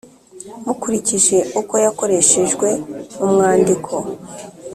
mukurikije uko yakoreshejwe mu mwandiko.